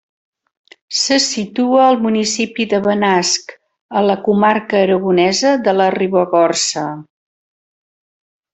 Se situa al municipi de Benasc, a la comarca aragonesa de la Ribagorça.